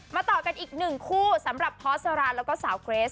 ต่อกันอีกหนึ่งคู่สำหรับพอสราแล้วก็สาวเกรส